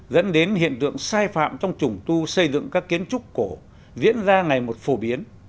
dẫn đến hiện tượng sai phạm trong trùng tu xây dựng các kiến trúc cổ diễn ra ngày một phổ biến